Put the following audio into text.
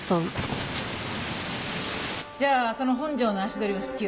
じゃあその本庄の足取りを至急。